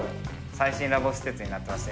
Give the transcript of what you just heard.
最新ラボ施設になってまして。